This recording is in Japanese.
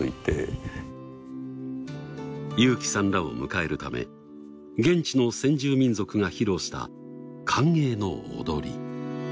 裕樹さんらを迎えるため現地の先住民族が披露した歓迎の踊り。